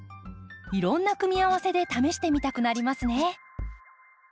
いろんな組み合わせで試してみたくなりますね。